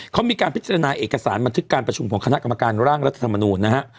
เขามีการพิจารณาเอกสารบันทึกการประชุมของคณะกรรมการร่างรัฐธรรมนูญนะฮะ